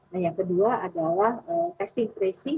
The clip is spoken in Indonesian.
nah yang kedua adalah testing tracing